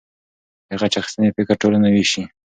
د غچ اخیستنې فکر ټولنه ویشي.